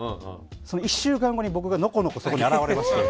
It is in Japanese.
１週間後に僕がのこのこ、そこに現れまして。